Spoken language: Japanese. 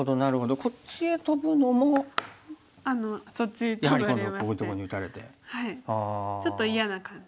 ちょっと嫌な感じ。